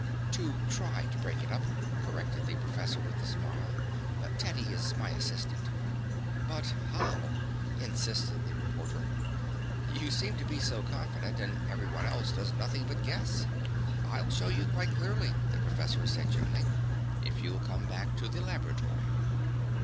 "To try to break it up," corrected the professor with a smile. "'Teddy' is my assistant." "But how?" insisted the reporter. "You seem to be so confident, and every one else does nothing but guess." "I'll show you quite clearly," the professor said gently, "if you'll come back to the laboratory."